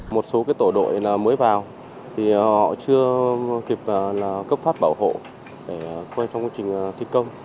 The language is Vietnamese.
một số tổ đội mới vào thì họ chưa kịp cấp phát bảo hộ để quay trong quá trình thi công